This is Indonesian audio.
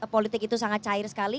politik itu sangat cair sekali